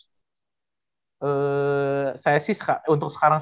saya sih untuk sekarang